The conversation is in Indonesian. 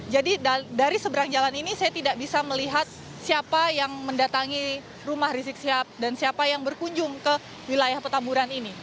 jadi dari seberang jalan ini saya tidak bisa melihat siapa yang mendatangi rumah rizik sihab dan siapa yang berkunjung ke wilayah petamburan ini